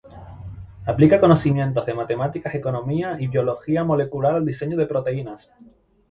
Aplica conocimientos de matemática, economía y biología molecular al diseño de proteínas.